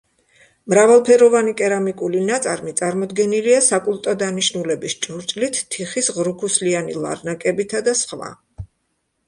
მრავალფეროვანი კერამიკული ნაწარმი წარმოდგენილია საკულტო დანიშნულების ჭურჭლით, თიხის ღრუქუსლიანი ლარნაკებითა და სხვა.